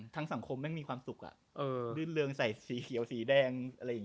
ทั้งสังคมแม่งมีความสุขอะดื่นเรืองสร่างความสีขีดแดง